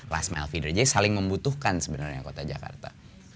last mile feeder jadi saling membutuhkan sebenarnya kota jakarta